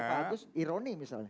itu harus ironi misalnya